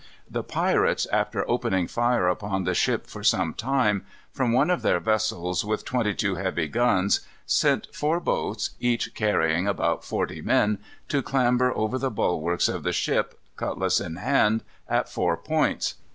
The pirates, after opening fire upon the ship for some time, from one of their vessels with twenty two heavy guns, sent four boats, each carrying about forty men, to clamber over the bulwarks of the ship, cutlass in hand, at four points.